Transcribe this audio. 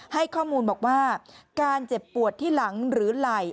ให้ข้อมูลบอกว่าการเจ็บปวดที่หลังหรือไหล่